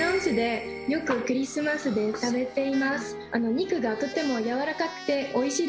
肉がとてもやわらかくておいしいです。